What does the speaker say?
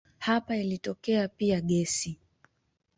Hapa ilitokea pia gesi.